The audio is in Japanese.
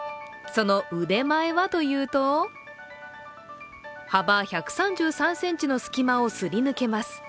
その腕前はというと幅１３３ｃｍの隙間をすり抜けます。